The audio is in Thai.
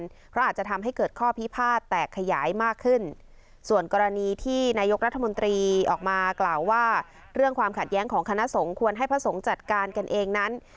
เพราะอาจจะทำให้เกิดข้อพิพาทแตกขยายมากขึ้นส่วนกรณีที่นายกรัฐมนตรีออกมากล่าวว่าเรื่องความขัดแย้งของคณะสงฆ์ควรให้พระสงฆ์จัดการกันเองนั้น